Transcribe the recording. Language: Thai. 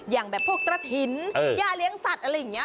อย่างแบบพวกกระถิ่นย่าเลี้ยงสัตว์อะไรอย่างนี้